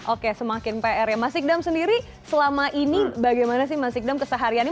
oke semakin pr ya mas sikdam sendiri selama ini bagaimana sih mas sikdam kesehariannya